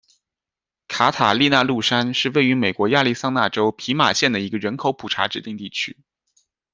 卡塔利娜麓山是位于美国亚利桑那州皮马县的一个人口普查指定地区。